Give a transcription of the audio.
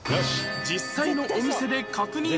実際のお店で確認